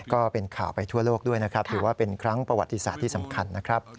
ก็เป็นข่าวไปทั่วโลกด้วยนะครับถือว่าเป็นครั้งประวัติศาสตร์ที่สำคัญนะครับ